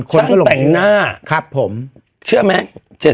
คนก็ลงไปช่วยครับผมค่ะแต่งหน้า